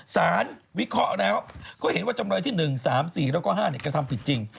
สารวิเคราะห์แล้วก็เห็นว่าจำนวนที่๑๓๔แล้วก็๕เนี่ยกระทำจริง